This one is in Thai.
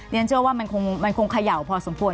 เนี่ยฉันเชื่อว่ามันคงขย่าวพอสมควร